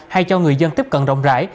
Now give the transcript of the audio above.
hay cho người dân tiếp cận rộng rãi